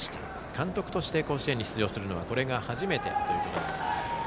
監督として甲子園に出場するのはこれが初めてとなります。